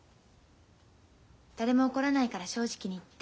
誰も怒らないから正直に言って。